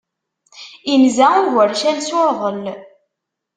Inza ugercal s urḍel.